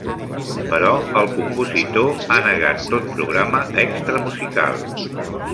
Però el compositor ha negat tot programa extramusical.